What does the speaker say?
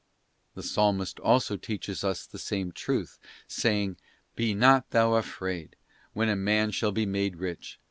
'§ The Psalmist also teaches us the same truth, saying, 'Be not thou afraid when a man shall be made rich...